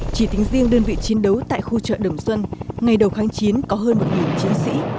chỉ tính riêng đơn vị chiến đấu tại khu chợ đồng xuân ngày đầu kháng chiến có hơn một chiến sĩ